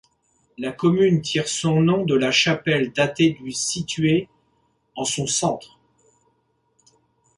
La commune tire son nom de la chapelle datée du située en son centre.